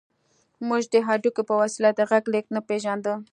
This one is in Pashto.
موږ د هډوکي په وسیله د غږ لېږد نه پېژانده